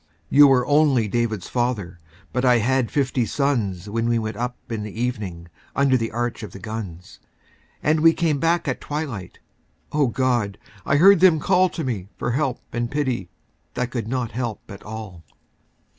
You were, only David's father, But I had fifty sons When we went up in the evening Under the arch of the guns, And we came back at twilight — O God ! I heard them call To me for help and pity That could not help at all.